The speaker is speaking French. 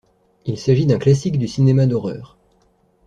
Il s'agit d'un classique du cinéma d'horreur.